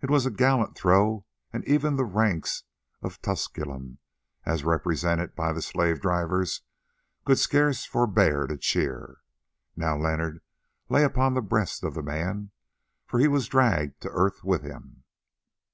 It was a gallant throw, and even the "ranks of Tusculum" as represented by the slave drivers "could scarce forbear to cheer." Now Leonard lay upon the breast of the man, for he was dragged to earth with him.